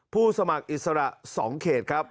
ผู้สมัครอิสระ๒เขตครับ